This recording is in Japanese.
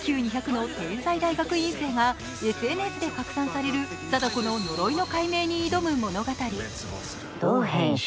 ＩＱ２００の天才大学院生がＳＮＳで拡散される貞子ののろいの解明に挑む物語。